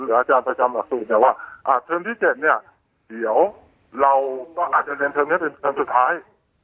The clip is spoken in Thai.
อาจารย์ประจำหลักสูตรเนี่ยว่าเทอมที่๗เนี่ยเดี๋ยวเราก็อาจจะเรียนเทอมนี้เป็นเทอมสุดท้าย